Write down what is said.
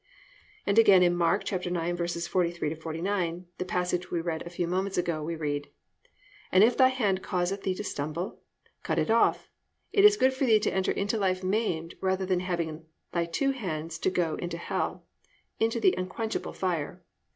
"+ And again in Mark 9:43 49, the passage read a few moments ago, we read, +"And if thy hand cause thee to stumble, cut it off; it is good for thee to enter into life maimed, rather than having thy two hands to go into hell, into the unquenchable fire.